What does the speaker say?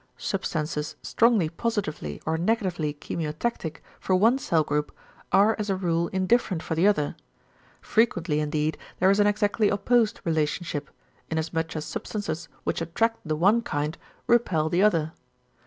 Substances strongly positively or negatively chemiotactic for one cell group are as a rule indifferent for the other; frequently indeed there is an exactly opposed relationship, inasmuch as substances which attract the one kind repel the other.